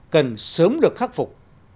cần sớm được khắc phục